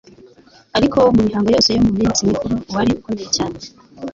Ariko mu mihango yose yo mu minsi mikuru uwari ukomeye cyane